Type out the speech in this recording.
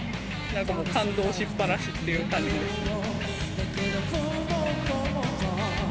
感動しっぱなしっていう感じですね。